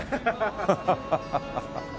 ハハハハハ。